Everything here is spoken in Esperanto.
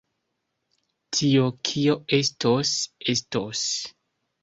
Tio, kio estos, estos.